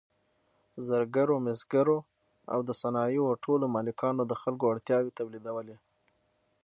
زرګرو، مسګرو او د صنایعو ټولو مالکانو د خلکو اړتیاوې تولیدولې.